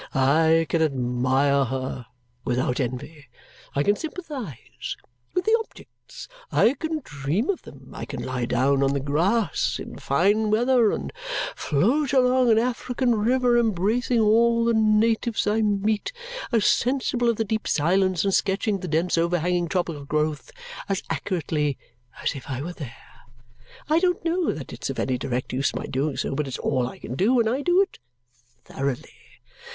I can admire her without envy. I can sympathize with the objects. I can dream of them. I can lie down on the grass in fine weather and float along an African river, embracing all the natives I meet, as sensible of the deep silence and sketching the dense overhanging tropical growth as accurately as if I were there. I don't know that it's of any direct use my doing so, but it's all I can do, and I do it thoroughly.